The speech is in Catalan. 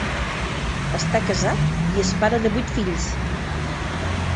Està casat i és pare de vuit fills.